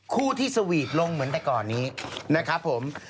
คู่ที่สวีทลงเหมือนแต่ก่อนนี้นะครับผม